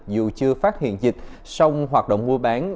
dù chưa phát hiện dịch song hoạt động mua bán